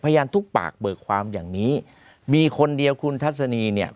ทุกปากเบิกความอย่างนี้มีคนเดียวคุณทัศนีเนี่ย